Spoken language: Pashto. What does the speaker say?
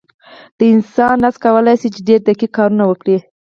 د انسان لاس کولی شي ډېر دقیق کارونه وکړي.